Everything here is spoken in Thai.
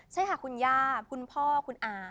ใช่ค่ะคุณย่าคุณพ่อคุณอา